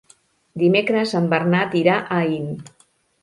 Dimecres en Bernat irà a Aín.